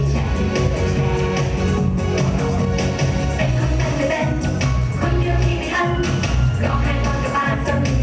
เพื่อให้เรามาแว่นกับท่านทั้งต่อและทั้งใหญ่